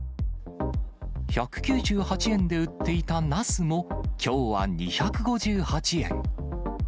１９８円で売っていたナスも、きょうは２５８円。